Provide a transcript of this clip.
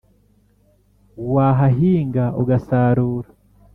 wahahinga ugasarura,